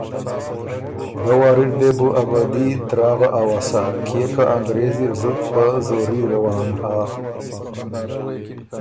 دۀ واره ر دې بُو ا بدي دراغه اؤسا کيې که ا نګرېز اِر زُت په زوري روان هۀ۔